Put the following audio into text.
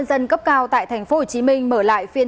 xin chào các bạn